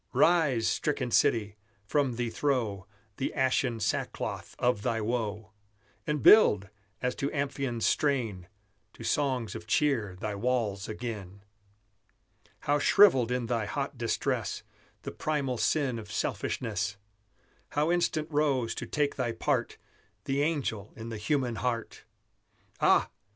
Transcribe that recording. Rise, stricken city! from thee throw The ashen sackcloth of thy woe; And build, as to Amphion's strain, To songs of cheer thy walls again! How shrivelled in thy hot distress The primal sin of selfishness! How instant rose, to take thy part, The angel in the human heart! Ah!